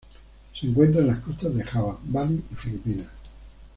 Se encuentran en las costas de Java, Bali y Filipinas.